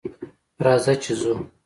راځه چې ځو